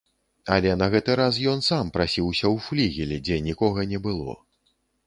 Але на гэты раз ён сам прасіўся ў флігель, дзе нікога не было.